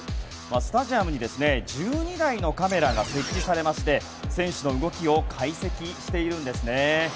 スタジアムに１２台のカメラが設置されまして選手の動きを解析しているんですね。